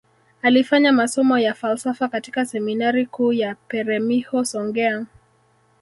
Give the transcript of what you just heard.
Alifanya masomo ya falsafa katika seminari kuu ya peremiho songea